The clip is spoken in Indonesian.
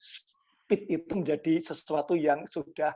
speed itu menjadi sesuatu yang sudah